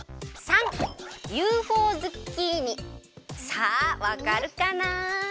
さあわかるかな？